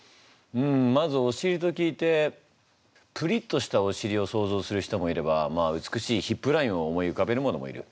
んまずおしりと聞いてプリッとしたおしりを想像する人もいればまあ美しいヒップラインを思い浮かべる者もいる。